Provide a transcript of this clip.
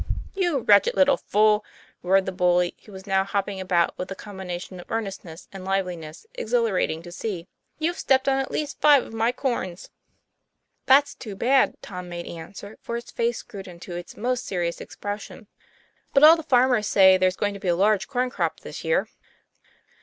'You wretched little fool," roared the bully, who was now hopping about with a combination of earn estness and liveliness, exhilarating to see; "you've stepped on at least five of my corns." "That's too bad," Tom made answer, with his face screwed into its most serious expression. " But all the farmers say there's going to be a large corn crop this year."